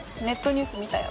ニュース見たよ。